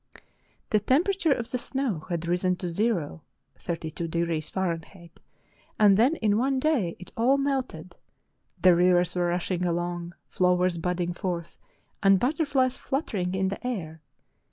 The temperature of the snow had risen to zero (32° Fahrenheit), and then in one day it all melted. The rivers were rushing along, flowers budding forth, and butterflies fluttering in the air.